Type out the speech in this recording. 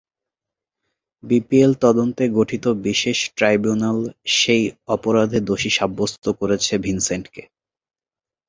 BPL তদন্তে গঠিত বিশেষ ট্রাইব্যুনাল সেই অপরাধে দোষী সাব্যস্ত করেছে ভিনসেন্টকে।